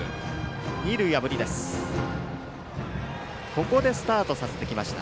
ここでスタートさせてきました。